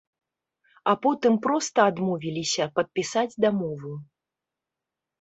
А потым проста адмовіліся падпісаць дамову.